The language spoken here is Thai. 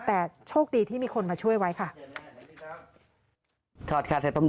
แต่โชคดีที่มีคนมาช่วยไว้ค่ะ